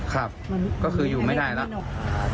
ครับก็คืออยู่ไม่ได้แล้ว